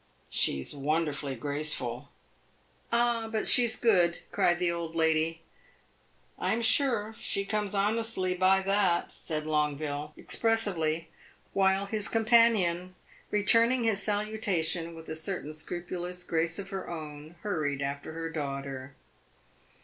"She is wonderfully graceful." "Ah, but she 's good!" cried the old lady. "I am sure she comes honestly by that," said Longueville, expressively, while his companion, returning his salutation with a certain scrupulous grace of her own, hurried after her daughter.